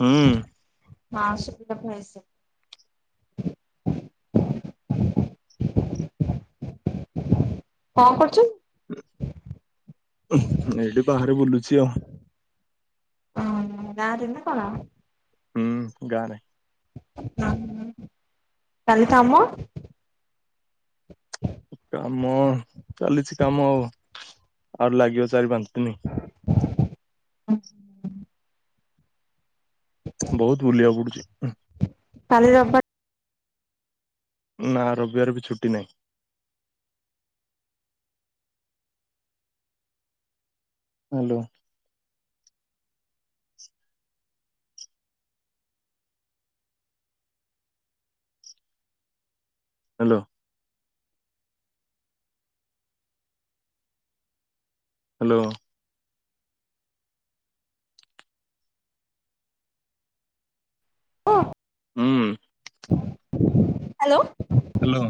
ହୁଁ ହଁ [unintelligible] କଣ କରୁଚୁ? ଏଇଠି ବାହାରେ ବୁଲୁଚି ଆଉ। ହଁ [unintelligible] କଣ? ହୁଁ ଗା ନାହିଁ। କାଲି କାମ [inaudible] କାମ ଚାଲିଚି କାମ ଆଉ ଆହୁରି ଲାଗିବ ଚାରି ନି ବହୁତ ବୁଲିବାକୁ ପଡୁଚି। ତାଲି [unintelligible] ନା ରବିବାର ବି ଛୁଟି ନାହିଁ। ହାଲୋ ହାଲୋ ହାଲୋ ହଁ। ହୁଁ। Hello hello.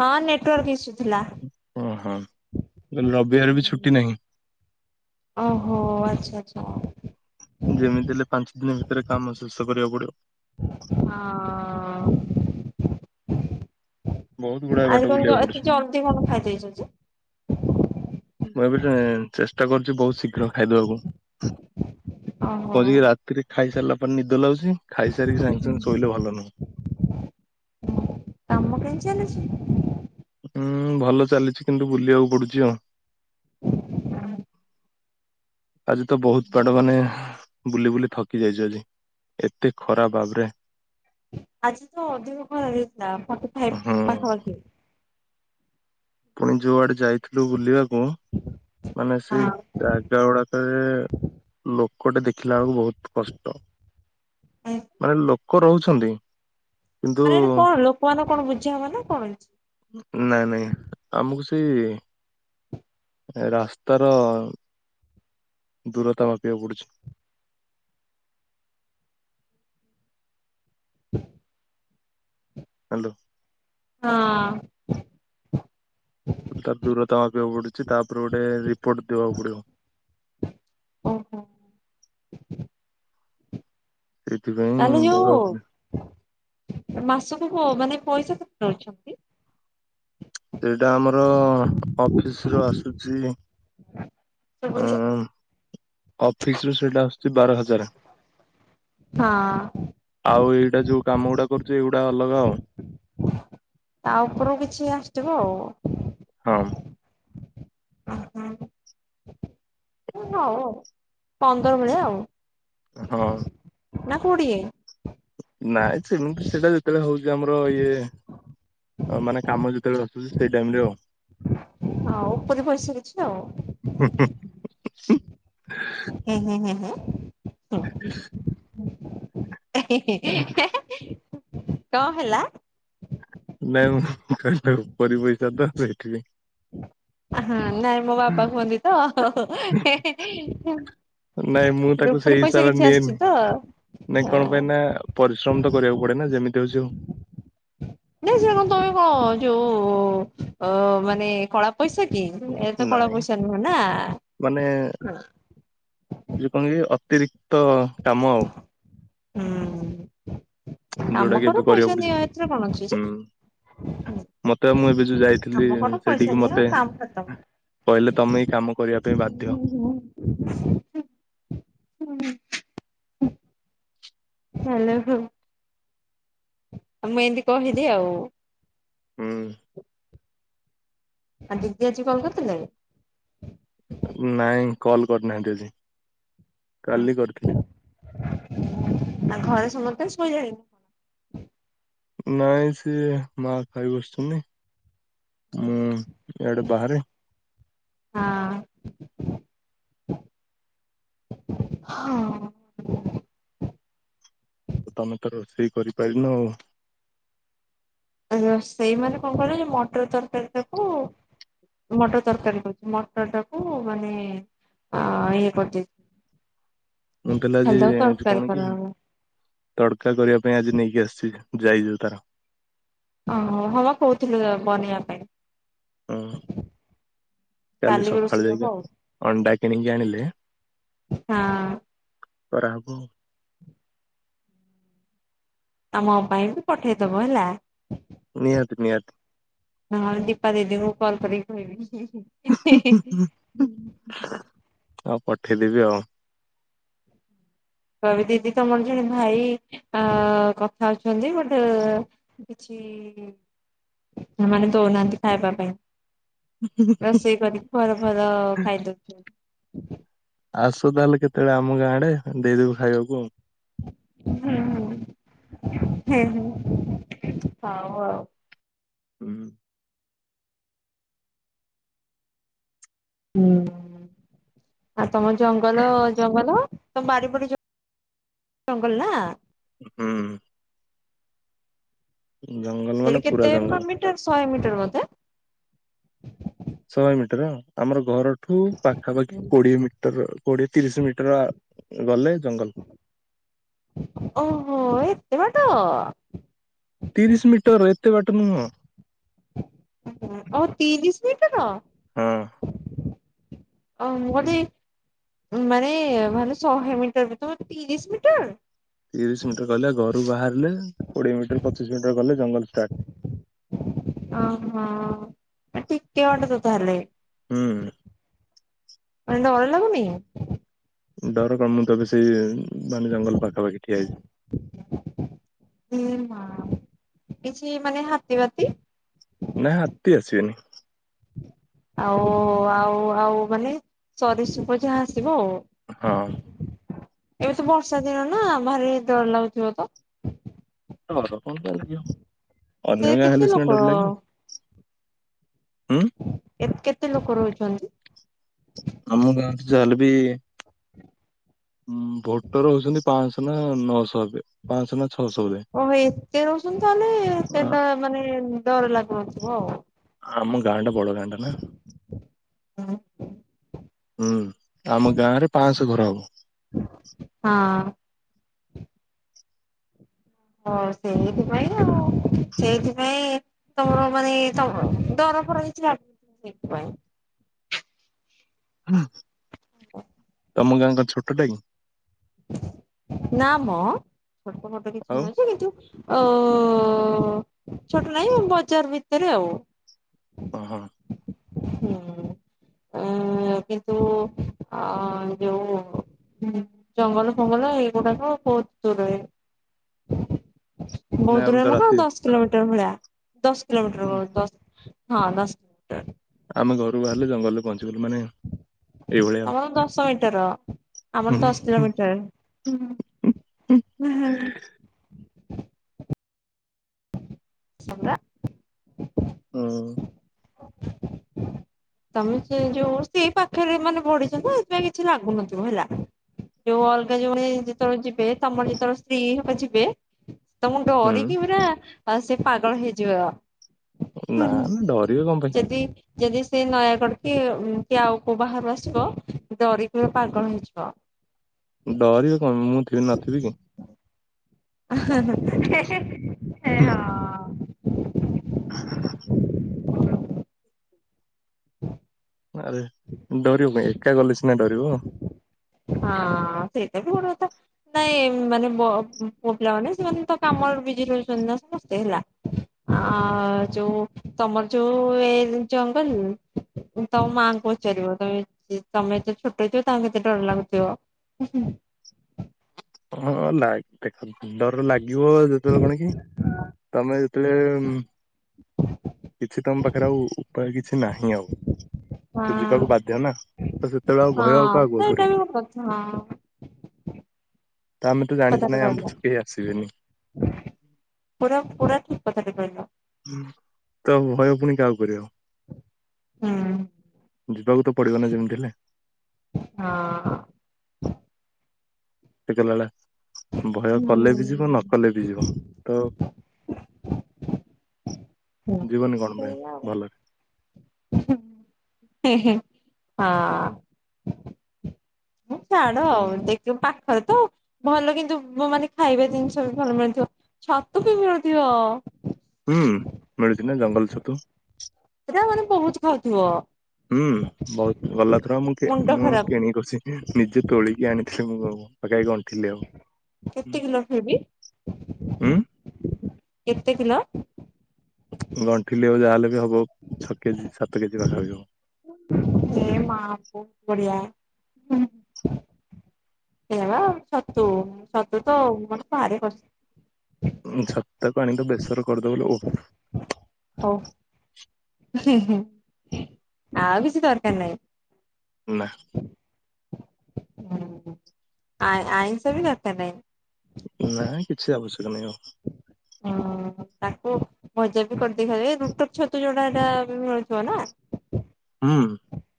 ହଁ ନେଟୱାର୍କ ଇସୁ ଥିଲା। ଓହୋ କହିଲି ରବିବାର ବି ଛୁଟି ନାହିଁ। ଓହୋ ଆଚ୍ଛା ଆଚ୍ଛା ଓ ଯେମିତି ହେଲେ ପାଞ୍ଚ ଦିନ ଭି ଫେରେ କାମ ଶେଷ କରିବାକୁ ପଡିବ। ହଁ ବହୁତ ଗୁଡାଏ ବାଟ ଆଜି କଣ ଜ ବୁଲିବାକୁ ଏତେ ପଡୁଛି ଜଲ୍ଦୀ କଣ ଖାଇ ଦେଇଚ ଯେ। [inaudible] ମୁଁ ଏବେ ଚେଷ୍ଟା କରୁଛି ବହୁତ ଶୀଘ୍ର ଖାଇଦବାକୁ। ଓହୋ ବସିକି ରାତିରେ ଖାଇ ସାରିଲା ନିଦ ଲାଗୁଛି। ଖାଇସାରିକି ସାଙ୍ଗ ସାଙ୍ଗ ଶୋଇଲେ ଭଲ ନୁହଁ। [inaudible] କାମ କେମିତି ଚାଲିଛି? ହୁଁ ଭଲ ଚାଲିଛି କିନ୍ତୁ ବୁଲିବାକୁ ପଡୁଛି ଆଉ। [inaudible] ଆଜି ତ ବହୁତ ବାଡ ମାନେ ବୁଲି ବୁଲି ଥକି ଯାଇଛି ଏତେ ଖରାପ ବାବରେ ଆଜି ତ ଅଧିକ କର୍ ହେଇଥିଲା ଫଟି ଫାଇପ ହୁଁ ପାଖା ପାଖି। ପୁଣି ଯୋଉଆଡେ ଯାଇ ଥିଲୁ ବୁଲିବାକୁ ମାନେ ହଁ। ସେଇ ଜାଗା ଗୁଡାକରେ ଲୋକଟେ ଦେଖିଲା ବେଳକୁ ବହୁତ କଷ୍ଟ ମାନେ ଲୋକ ରହୁଛନ୍ତି। କିନ୍ତୁ ମାନେ ଏଇଠି କଣ ଲୋକ ମାନ କଣ ବୁଝିବା ମନା କଣ ନାଇଁ ନାଇଁ ଅଛି। [inaudible] ଆମକୁ ସେ ରାସ୍ତାର ଦୂରତା ମାପିବାକୁ ପଡୁଛି। [inaudible] [inaudible] ହାଲୋ। ହଁ। [inaudible] ତାର ଦୂରତା ମାପିବାକୁ ପଡୁଛି ତାପରେ ଗୋଟେ ରିପୋର୍ଟ ଦବାକୁ ପଡିବ। ଓ ହୋ। [inaudible] ସେଇଥିପାଇଁ ତାହେଲେ ଯଉ ଯିବାକୁ ପଡିବ [inaudible] ମାସ ମାନେ ପଇସା କେତେ ଦଉଛନ୍ତି। ସେଇଟା ଆମର ଅଫିସ ରୁ ଆସୁଛି [inaudible] ଶୁଭୁନି? ଉଁ ଅଫିସରୁୁ ସେଟା ଆସୁଛି ବାର ହଜାର। ହଁ [inaudible] ଆଉ ଏଇଟା ଯୋଉ କାମ ଗୁଡା କରୁଛ ଏଗୁଡା ଅଲଗାଉ। ତା ଉପରକୁ କିଛି ଆସିଥିବ ଆଉ। ହଁ। [unintelligible] ହଉ ଆଉ ପନ୍ଦର ବେଳେ ଆଉ। ହଁ ନା କୁଡ଼ିଏ? ନାଇଁ ସେମିତି ସେଟା ଯେତେବେଳେ ହଉଛି ଆମର ଇଏ ମାନେ କାମ ଯେତେବେଳେ ଆସୁଛି ସେଇ ଟାଇମ ରେ ଆଉ। ଆଉ ଉପୁରି ପଇସା କିଛି ହୁଁ। ଆଉ [inaudible] ହୁଁ ହୁଁ ହୁଁ ହୁଁ। [inaudible] [inaudible] [inaudible] କଣ ହେଲା? ନାଇଁ ମୁଁ କ ଉପରି ପଇସା ତ ସେଇଠି ହଁ ନାଇଁ ମୋ ବାପା କୁହନ୍ତି ତ। ନାଇଁ ମୁଁ ତାକୁ ଉପରି ସେଇ ପଇସା ହିସାବରେ କିଛି ଆସିଛି ନିଏନି। ତ ନାଇଁ କଣ ହଁ। ପାଇଁ ନା ପରିଶ୍ରମ ତ କରିବାକୁ ପଡେ ନା ଯେମିତି ହଉଛି ହଉ। ଦେ ସେ କଣ ତମେ କଣ ଯୋଉ ଅ ମାନେ କଳା ପଇସା କି ହଉ ଏ ତ କଳା ନାଇଁ ପଇସା ନୁହେଁ ନା। ମାନେ ଯୋଉ କଣ କି ଅତିରିକ୍ତ କାମ ଆଉ। ହୁଁ। ଯୋଉଟା କାମ କି ଏବେ କର କରିବାକୁ ପଇସା ପଡୁଛି ନିଅ ଏଥିରେ କଣ ଅଛି ଯେ। ହୁଁ ମତେ ମୁଁ ଏବେ ଯୋଉ ଯାଇ ଥିଲ କାମ କର ପଇସା ସେଠିକି ନିଅ ମତେ କାମ ଖତମ। କହିଲେ ତମେ କାମ କରିବା ପାଇଁ ବାଧ୍ୟ। ହ୍ୟାଲୋ ହଁ। ଆଉ ମୁଁ ଏମିତି କହିଲି ଆଉ। ହୁଁ। ଆ ଦିଦି ଆଜି କଲ୍ କରିଥିଲେ। ନାଇଁ କଲ୍ କରିନାହାନ୍ତି ଆଜି। କାଲି କରିଥିଲେ। ଆଉ ଘରେ ସମସ୍ତେ ଶୋଇଲେଣି। ନାଇଁ ସିଏ ମା ଖାଇ ବସିଛନ୍ତି। ମୁଁ ଇଆଡେ ବାହାରେ। ହଁ [inaudible] ହଁ। ଆଉ ତମେ ତ ରୋଷେଇ କରିପାରିନ ଆଉ। ସେଇ ମାନେ କଣ କହିଲ ମଟର ତରକାରୀ ଟାକୁ ମଟର ତରକାରୀ କହୁଛି ମଟରଟାକୁ ମାନେ ଇଏ କରିଦେଇଛି। ମୁଁ କିନ୍ତୁ ଆଜି କଣ କି କରାହବ। ତଡକା କରିବା ପାଇଁ ଆଜି ନେଇକି ଆସିଛି। ଯାଇଛାଉ ତାର। ଓ ହୋ ହବା କହୁଥିଲୁ ବନେଇବା ପାଇଁ। ହୁଁ କାଲି ବି ସକାଳୁ ରୋଷେଇ ହବ ଆଉ। ଯାଇକି ଅଣ୍ଡା କିଣିକି ଆଣିଲେ। ହଁ କରାହବ ଆଉ। ଆମ ପାଇଁ ବି ପଠେଇଦବ ହେଲା। ନିହାତି ନିହାତି। ହଁ ଦୀପା ଦିଦିଙ୍କୁ କଲ୍ କରିକି କହିବି। [unintelligible] ହଉ ପଠେଇଦବି ଆଉ। କବି ଦିଦି ତମର ଜଣେ ଭାଇ ଅ କଥା ଅଛନ୍ତି ଗୋଟେ କିଛି ସେମାନେ ଦଉନାହାନ୍ତି ଖାଇବା ପାଇଁ। ରୋଷେଇ କରିକି ଭର ଭଲ ଖାଇଦଉଛୁ। [inaudible] ଆସ ତାହେଲେ କେତେବେଳେ ଆମ ଗାଁ ଆଡେ ଦେଇଦେବୁ ଖାଇବାକୁ ଆଉ। ହୁଁ ହୁଁ ହୁଁ ହୁଁ ହୁଁ ହୁଁ ଆଉ ତମ ଜଙ୍ଗଲ ଜଙ୍ଗଲ ତମ ବାଡି ପଟେ ଜଙ୍ଗଲ ନା? ହୁଁ ଜଙ୍ଗଲ ମାନେ ସେଠି ପୁରା କେତେ ମ ଜଙ୍ଗଲ ମିଟର ଶହେ ମିଟର ଟର ବୋଧେ ଶହେ ମିଟର ଆମର ଘର ଠୁ ପାଖାପାଖି କୋଡିଏ ମିଟର ଅ କୋଡିଏ ତିରିଶି ମିଟର ଗଲେ ଜଙ୍ଗଲ ଓହୋ ଏ ତେ ବାଟ ତିରିଶି ମିଟର ଏତେ ବାଟ ନୁହଁ। ଓ ତିରିଶ ମିଟର ହଁ ଅ ମୁଁ କହିଲି ମାନେ ମାନେ ଶହେ ମିଟର ବୋଲି ତମେ ତିରିଶି ମିଟର। ତିରିଶି ମିିଟର କହିଲି ବା ଘରୁ ବାହାରିଲେ କୋଡ଼ିଏ ମିଟର ପଚିଶି ମିଟର ଗଲେ ଜଙ୍ଗଲ ଷ୍ଟାର୍ଟ। ଓହୋ ଆ ଟିକେ ବାଟ ତ ତାହେଲେ। ହୁଁ ମାନେ ଡର ଲାଗୁନି। ଡର କଣ ମୁଁ ତ ବେଶୀ ସି ମାନେ ଜଙ୍ଗଲ ପାଖା ପାାଖି ଠିଆ ହେଇଛି। ହଁ କିଛି ମାନେ ହାତୀ ବାତି ନାଇ ହାତୀ ଆସିବେନି। ଆଉ ଆଉ ଆଉ ମାନେ ସରୀସୃପ ଯାହା ଆସିବ ଆଉ। ହଁ ଏବେ ତ ବର୍ଷା ଦିନ ନା ଭାରି ଡର ଲାଗୁଥିବ ତ? ଡର କଣ ପାଇଁ ଲାଗିବ। ଅନ୍ୟ ସେ ଗାଁ କେତେ ହେଲେ ସିନା ଲୋକ ଡର ଲାଗିବ। ଉଁ ଏ କେତେ ଲୋକ ରହୁଛନ୍ତି? ଆମ ଗାଁ ତ ଯାହା ହେଲେ ବି ଉଁ ଭୋଟର ହଉଛନ୍ତି ପାଞ୍ଚଶ ନା ନଅଶହ ଏବେ ପାଞ୍ଚଶହ ନା ଛଅଶହ ବୋଧେ ଓହୋ ଏତେ ହଉଛନ୍ତି ତାହେଲେ ଏତେଟା ମାନେ ଡର ଲାଗୁ ନଥିବ ଆଉ। ଆମ ଗାଁ ଟା ବଡ ଗାଁ ଟା ନା ହୁଁ ଆମ ଗାଁରେ ପାଞ୍ଚଶହ ଘର ହବ। ହଁ ହଁ ସେଇଥିପାଇଁ ଆଉ ସେଇଥିପାଇଁ ତମର ମାନେ ତମର ଦରଫର ହେଇଛି [inaudible] ଏଇଥିପାଇଁ ହଁ [inaudible] ହ [inaudible] ତମ ଗାଆଁ କଣ ଛୋଟଟା କି ନମୋ ଛୋଟ ମୋଟ କିଛି ଆଉ ନୁହେଁ ଯେ କିନ୍ତୁ ଅ ଅ ଛୋଟ ନାଇଁ ବଜାର ଭିତରେ ଆଉ ହଁ ହଁ ହୁଁ କିନ୍ତୁ ଆଁ ଯୋଉ ଜଙ୍ଗଲ ଫଙ୍ଗଲ ଏଗୁଡାକ ବହୁତ ଦୂରରେ ବହୁତ ନା ଆମେ ଦୂରରେ ତ ଆମକୁ ରାତି ଦଶ କିଲୋମିଟର ଭଳିଆ ଦଶ କିଲୋମିଟର ହେବ ଉଁ ଦଶ ହଁ ଦଶ ଆମେ ଘରୁ ବାହାରିଲେ ଜଙ୍ଗଲରେ ପହଞ୍ଚୁ ଦୂର ମାନେ ଏଇଭଳିଆ ଆଉ। ତମର ଦଶ ମିଟ ର ଆମର ଦଶ କିଲୋମିଟର ଦଶ ପରା [inaudible] ହୁଁ ତମେ ସେ ଯୋଉ ସେଇ ପାଖରେ ମାନେ ବଢିଛ ତୋ ଇଏଥିପାଇଁ କିଛି ଲାଗୁନଥିବ ହେଲା ଯୋଉ ଅଲଗା ଜଣେ ଯେତେବେଳେ ଯିବେ ତମର ଯେତେବେଳେ ସ୍ତ୍ରୀ ସାଙ୍ଗେ ଯିବେ ତ ମୁଣ୍ଡ ହୁଁ ଡ଼ରିକି ପୁରା ତା ସେ ପାଗଳ ହେଇଯିବ ନା ନା ଡରିବ କଣ ପାଇଁ ଯଦି ଯଦି ସେ ନୟାଗଡ଼ କି କି ଆଉ କୋଉ ବାହାରୁ ଆସିବ ଡରିକି ପାଗଳ ହେଇଯିବ। ଡରିବ ହଁ ମୁଁ ଥିବି ନଥିବି କି? ସେ ହଁ ହଁ। ହ [inaudible] ଆରେ ଡରିବ କହିଁ ଏକା ଗଲେ ସିନା ଡରିବ ହଁ ସେଇଟା ବି ଗୋଟେ କଥା ନାଇଁ ମାନେ ପ ପୁଅ ପିଲା ମାନେ ସେମାନେ ତ କାମର ବିଜି ରହିଛନ୍ତି ସମସ୍ତେ ହେଲା ଆ ଯୋଉ ତମର ଯୋଉ ଏ ଜଙ୍ଗଲ ତମ ମା ପଚା ପଚାରିବ ତମେ ତମେ ଯେ ଛୋଟ ହେଇଥିବ ତାଙ୍କୁ କେତେ ଡର ଲାଗୁଥିବ ହଁ ଲାଗ ଦେଖ ଡର ଲାଗେ ଯୋ ଯେତେବେଳେ କଣ କି ତମେ? ଯେତେବେଳେ କିଛି ତମ ପାଖରେ ଆଉ ଉପାୟ କିଛି ନାହିଁ ଆଉ। ତୁ ଯିବାକୁ ହଁ ବାଧ୍ୟ ନା। ତ ସେତେବେଳେ ଆଉ ଭୟ ଆଉ ହଁ କାହାକୁ ଆଉ କରିବ। ସେଇଟା। ଭି ପ୍ରଥମ ତ ଆମେ ତ ଜାଣିଛୁ କଥା ନାହିଁ ଆମ ପଛକୁ କେହି ଆସିବେନି। ଟିଲ ପୁରା ପୁରା ଠିକ କଥାଟେ କହିଲ ତ ଭୟ ପୁଣି କାହାକୁ କରିବ ହମ୍। ଯିବାକୁ ତ ପଡିବ ନା ଯେମିତି ହେଲେ। ହଁ। [inaudible] ଭୟ କଲେ ବି ଯିବ ନ କଲେ ବି ଯିବ ତ ହୁଁ ଯିବନି। କଣ? ସେଇଆ ଆଉ। ଭ ଭଲରେ ହଁ। ତ ଛାଡ ଆଉ ଦେଖିବା। ପାଖରେ ତ ଭଲ କିନ୍ତୁ ମୋ ମାନେ ଖାଇବା ଜିନିଷ ବି ଭଲ ମିଳୁଥିବ ଛତୁ ବି ମିଳୁଥିବ। ହମ୍ ମିଳୁଛି ନା ଜଙ୍ଗଲ ଛତୁ। ସେଟା ମାନେ ବହୁତ ଖାଉଥିବ। ହମ୍ ବହୁତ ଗଲା ଥର ମୁଁ ମୁଣ୍ଡ ମୁଁ ଖରାପ କିଣିକି କିଛି ନିଜେ ତୋଳିକି ଆଣିି ମୁ ପାଖି ଗଣ୍ଠିଲି ହବ କେତେ ଦିନ ଫବି ଉଁ କେତେ କିଲ ଗଣ୍ଠିଲି ଆଉ ଯାହାହେଲେ ବି ହବ ଛ କେଜି ସାତ କେଜି ପାଖାପାଖି ହବ ଏ ମା ବହୁତ ବଢିଆ ହେ ବା ଛତୁ ଛତୁ ତ ମତେ ଭାରି କଷ୍ଟ ଛତାକୁ ଆଣି ତ ବେସର କରିଦେବ। ହଉ ଆଉ କିଛି ଦରକାର ନାହିଁ। ନା । ଆ ଆଇଁଷ ଭି ଦରକାର ନାହିଁ । ନା କିଛି ଆବଶ୍ୟକ ନାହିଁ ଆଉ । ହଁ ତାକୁ ଭ ଜା ବି କରିଦେଇ ଖାଇ ଏ ରୁଟ [unintelligible] ଛତୁ ଯଡା ଟା ମିଳୁଥିବ ନା ହୁଁ ।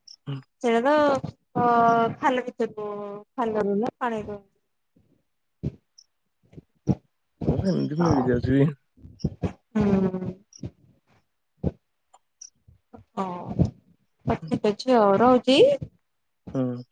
ସେଇଟା ତ ଅ ଖାଲ [unintelligible] ଛତୁ ଖାଲରୁ ନା ପାଣିରୁ। ଆମକୁ ଏମିତି ଭି ହଁ ମିଳିଯାଉଛି । ହୁଁ । ହଉ ତ ଠିକ୍ ଅଛି ଆଉ ରହୁଛି । ହୁଁ ।